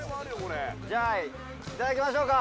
じゃあ、頂きましょうか。